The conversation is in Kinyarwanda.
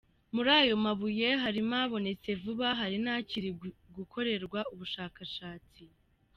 Muri ayo mabuye hari mo abonetse vuba hari n’akiri gukorerwa ubushakashatsi .